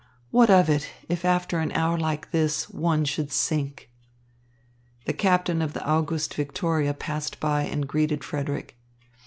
What of it, if after an hour like this, one should sink?" The captain of the Auguste Victoria passed by and greeted Frederick.